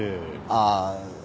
ああ。